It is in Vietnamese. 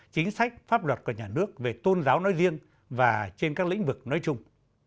chính sách pháp luật của nhà nước về tôn giáo nói riêng và trên các lĩnh vực nói chung